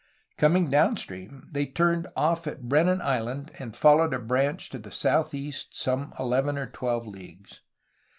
Coming down stream they turned off at Brannan Island and followed a branch to the southeast some eleven or twelve leagues.